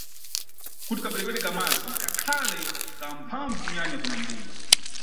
Kuti kaperekedwe ka madzi kakhale kamphambvu kunyanya kuna mbumba.